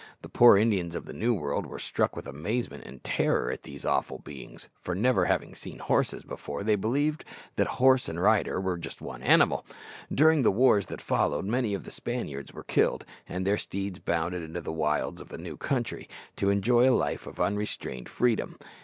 The poor Indians of the New World were struck with amazement and terror at these awful beings, for, never having seen horses before, they believed that horse and rider were one animal. During the wars that followed many of the Spaniards were killed, and their steeds bounded into the wilds of the new country, to enjoy a life of unrestrained freedom.